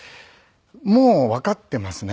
もうわかっていますね。